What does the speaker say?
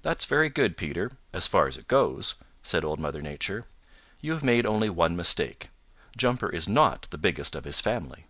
"That is very good, Peter, as far as it goes," said Old Mother Nature. "You have made only one mistake. Jumper is not the biggest of his family."